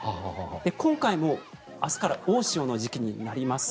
今回も明日から大潮の時期になります。